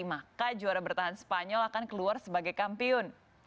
maka juara bertahan spanyol akan keluar sebagai kampiun